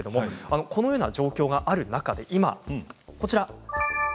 このような状況がある中、今こちらです。